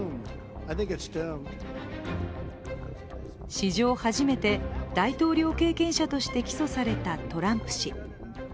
史上初めて大統領経験者として起訴されたトランプ氏。